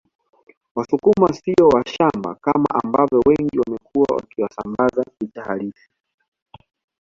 Wasukuma sio washamba kama ambavyo wengi wamekuwa wakisambaza picha halisi